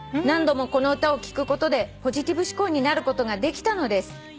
「何度もこの歌を聴くことでポジティブ思考になることができたのです」